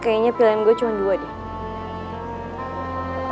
kayaknya pilihan gue cuma dua deh